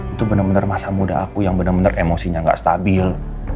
itu benar benar masa muda aku yang benar benar emosinya nggak stabil